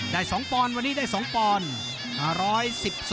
ได้๒ปอนด์วันนี้ได้๒ปอนด์